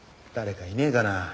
誰かいねえかな？